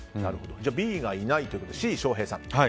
ＢがいないということでＣ、翔平さん。